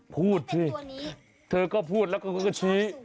พูดสิเธอก็พูดแล้วก็ชี้